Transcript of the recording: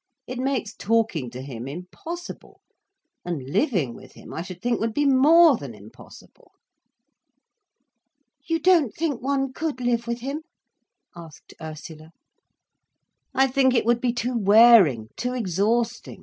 It makes talking to him impossible—and living with him I should think would be more than impossible." "You don't think one could live with him' asked Ursula. "I think it would be too wearing, too exhausting.